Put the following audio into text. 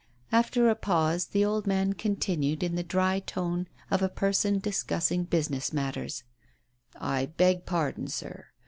After a pause the old man continued in the dry tone of a person discussing business matters : "I beg pardon, sir.